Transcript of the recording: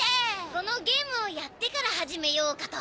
このゲームをやってから始めようかと。